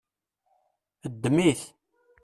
Ddem-it.